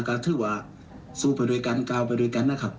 ก็ถือว่าสู้ไปด้วยกันก้าวไปด้วยกันนะครับ